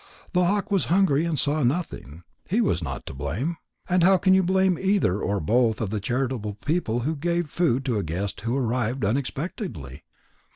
The hawk was hungry and saw nothing. He was not to blame. And how can you blame either or both of the charitable people who gave food to a guest who arrived unexpectedly?